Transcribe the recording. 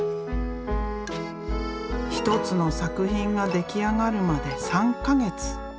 一つの作品が出来上がるまで３か月。